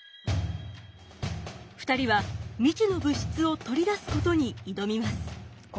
２人は未知の物質を取り出すことに挑みます。